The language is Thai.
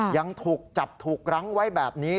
ยังถูกจับถูกรั้งไว้แบบนี้